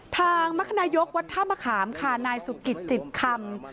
ทางมัฒนายกวัตถ้ามขามคานายสุกิจจิตคำ